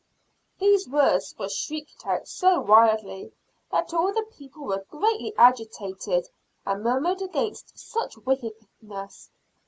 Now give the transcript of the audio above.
These words were shrieked out so wildly, that all the people were greatly agitated and murmured against such wickedness.